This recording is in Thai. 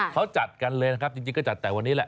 เขาจัดกันเลยนะครับจริงจัดตั้งแต่วันนี้